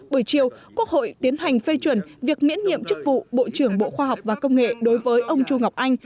buổi chiều quốc hội tiến hành phê chuẩn việc miễn nhiệm chức vụ bộ trưởng bộ khoa học và công nghệ đối với ông chu ngọc anh